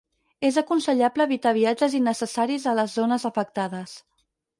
És aconsellable evitar viatges innecessaris a les zones afectades.